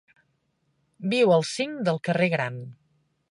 Viu al cinc del carrer Gran.